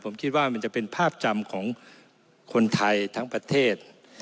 ผมคิดว่ามันจะเป็นภาพจำของคนไทยทั้งประเทศ